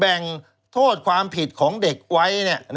แบ่งโทษความผิดของเด็กไว้